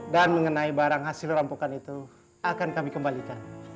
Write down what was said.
dan mengenai barang hasil rampokan itu akan kami kembalikan